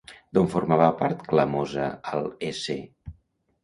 D'on formava part Clamosa al s.